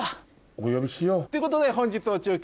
お呼びしよう。ということで本日の中継